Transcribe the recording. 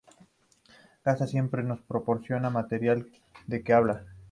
Gaga siempre nos proporciona material de que hablar.